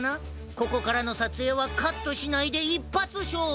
ここからのさつえいはカットしないでいっぱつしょうぶ！